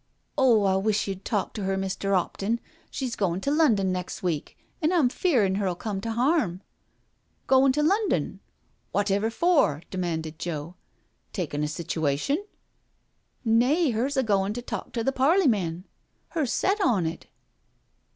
" Oh, I wish you*d talk to her, Mr. *Opton, her's goin' to London nex' week, an* I'm' feerin' her*ll come to harm.*' "Goin* to London I Wotever for?" demanded Joe. "Taken a situation?'^ " Nay, her's a goin' to talk to the Parleymen— her's set on it."